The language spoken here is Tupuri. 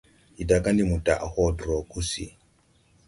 Ndi daga ndi mo daʼ hodrɔ gusi.